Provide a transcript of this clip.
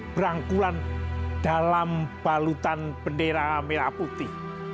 berangkulan dalam balutan bendera merah putih